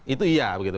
itu iya begitu